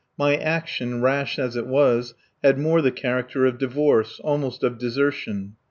My action, rash as it was, had more the character of divorce almost of desertion.